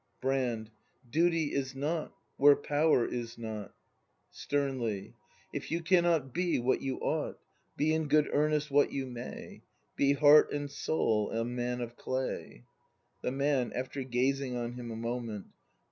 Brand. Duty is not, where power is not. [Sternly.] If you cannot be what you ought. Be in good earnest what you may; Be heart and soul a man of clay. The Man. [After gazing on him a moment.